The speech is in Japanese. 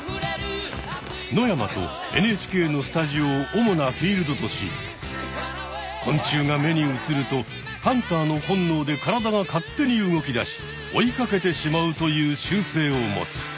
野山とＮＨＫのスタジオを主なフィールドとし昆虫が目に映るとハンターの本能で体が勝手に動きだし追いかけてしまうという習性を持つ。